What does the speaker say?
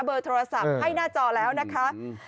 เบอร์โทรศัพท์ให้หน้าจอแล้วนะคะ